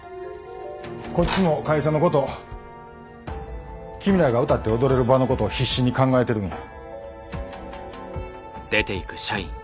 こっちも会社のこと君らが歌って踊れる場のことを必死に考えてるんや。